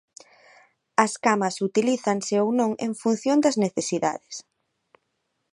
As camas utilízanse ou non en función das necesidades.